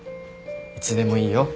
いつでもいいよ。